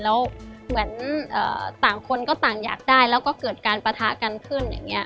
แล้วเหมือนต่างคนก็ต่างอยากได้แล้วก็เกิดการปะทะกันขึ้นอย่างนี้